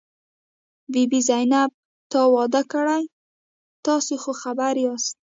بي بي زينت، تا واده کړی؟ تاسې خو خبر یاست.